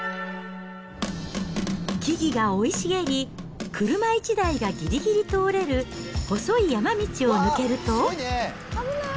木々が生い茂り、車１台がぎりぎり通れる細い山道を抜けると。